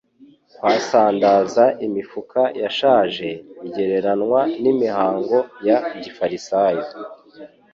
kwasandaza imifuka yashaje; igereranywa n'imihango ya gifarisayo.